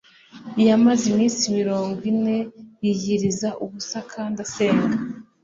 Yamaze iminsi mirongo ine yiyiriza ubusa kandi asenga.